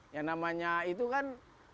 yang namanya itu kan